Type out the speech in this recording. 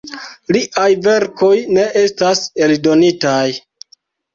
Liaj verkoj ne estas eldonitaj.